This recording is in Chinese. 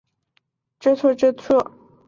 后遂以桦树香烟指代青楼女子所在之处。